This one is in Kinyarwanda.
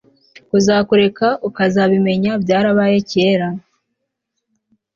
kuzakureka ukazabimenya byarabaye kera